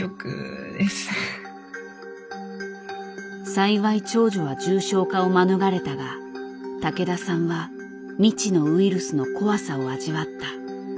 幸い長女は重症化を免れたが竹田さんは未知のウイルスの怖さを味わった。